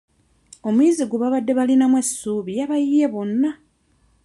Omuyizi gwe baabadde balinamu essuubi yabayiye bonna.